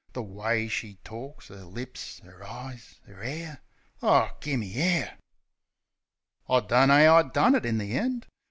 The way she torks! 'Er lips! 'Er eyes! 'Er hair! Oh, gimme air! I dunno 'ow I done it in the end.